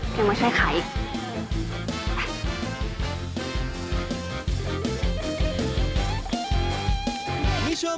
ยังมาช่วยใคร